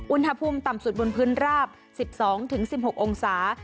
อุณหภูมิต่ำสุดบนพื้นราบสิบสองถึงสิบหกองศา